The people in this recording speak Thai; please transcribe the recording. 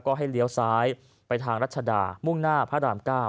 ก็ให้เลี้ยวซ้ายไปทางรัชดามุ่งหน้าพระราม๙